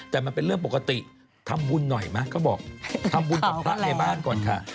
แต่มันเป็นเรื่องปกติทำบุญหน่อยไหมเขาบอกทำบุญกับพระในบ้านก่อนค่ะ